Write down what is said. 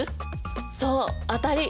そう当たり！